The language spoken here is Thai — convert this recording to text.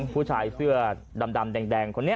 ผู้ชายเสื้อดำแดง